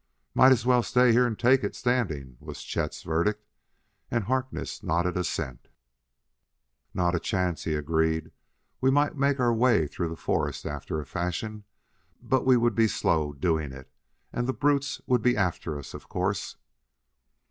"Might as well stay here and take it standing," was Chet's verdict, and Harkness nodded assent. "Not a chance," he agreed. "We might make our way through the forest after a fashion, but we would be slow doing it, and the brutes would be after us, of course."